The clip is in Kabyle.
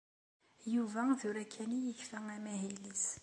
Yuba tura kan i yekfa amahil-is.